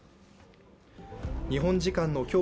日本時間の今日